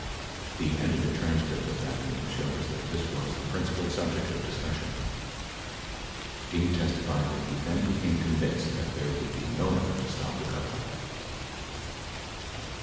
The edited transcript of that meeting shows that this was the principal subject of discussion. Dean testified that he then became convinced that there would no effort to stop the coverup.